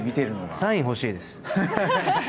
サインが欲しいです。